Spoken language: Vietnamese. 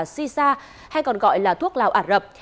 sisa hay còn gọi là thuốc lào ả rập